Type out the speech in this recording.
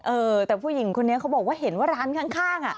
เออแต่ผู้หญิงคนนี้เขาบอกว่าเห็นว่าร้านข้างอ่ะ